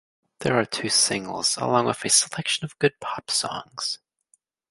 There are two singles along with a selection of good pop songs.